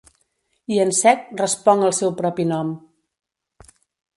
I en sec responc el seu propi nom.